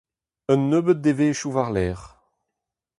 Un nebeud devezhioù war-lerc'h.